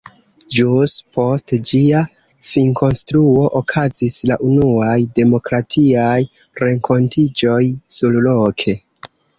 Ĵus post ĝia finkonstruo okazis la unuaj demokratiaj renkontiĝoj surloke!